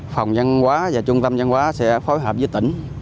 phòng giang hóa và trung tâm giang hóa sẽ phối hợp với tỉnh